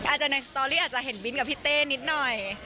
ในสตอรี่อาจจะเห็นบินกับพี่เต้นิดหน่อย